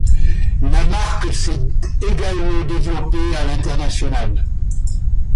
La marque s'est également développée à l'international.